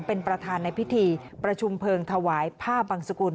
เป็นประธานในพิธีประชุมเพลิงถวายผ้าบังสกุล